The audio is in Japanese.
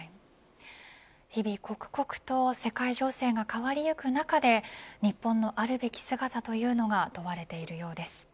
日々刻々と世界情勢が変わりゆく中で日本のあるべき姿というのが問われているようです。